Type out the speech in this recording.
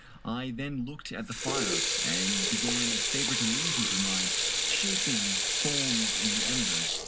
I then looked at the fire, and began a favorite amusement of mine — shaping forms in the embers.